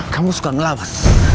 kamu suka ngelah mas